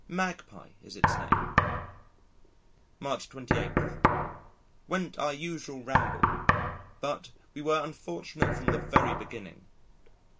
"Magpie" is its name. March 28. Went our usual ramble. But we were unfortunate from the very beginning.